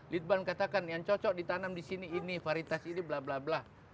litban katakan yang cocok ditanam di sini ini varitas ini bla bla bla